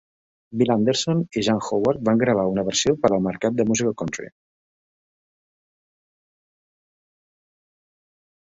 Bill Anderson i Jan Howard van gravar una versió per al mercat de música country.